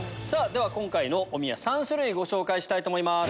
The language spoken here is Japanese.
今回のおみや３種類ご紹介したいと思います。